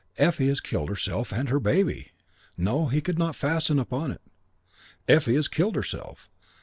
Effie has killed herself and her baby." No, he could not fasten upon it. "Effie has killed herself."